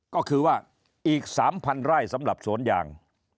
ก็คือว่าอีก๓๐๐ไร่สำหรับสวนยาง